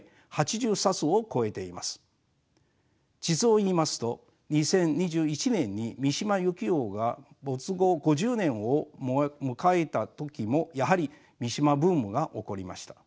実を言いますと２０２１年に三島由紀夫が没後５０年を迎えた時もやはり三島ブームが起こりました。